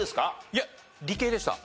いや理系でした。